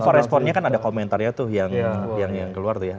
respon responnya kan ada komentarnya tuh yang keluar tuh ya